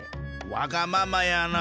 わがままやな。